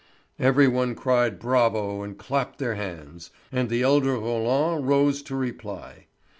Every one cried bravo and clapped their hands, and the elder Roland rose to reply.